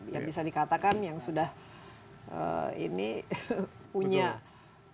yang bisa dikatakan yang sudah ini punya gadget